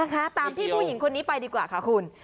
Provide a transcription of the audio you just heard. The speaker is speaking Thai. ตามพี่ผู้หญิงคนนี้ไปดีกว่าค่ะคุณ